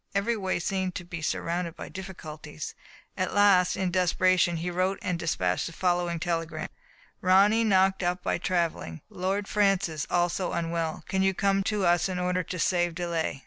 Every way seemed to be surrounded by difficulties. At last, in desperation, he wrote and dispatched the following telegram : Ronny knocked up by traveling; Lord Francis also unwell; can you come to us in order to save delay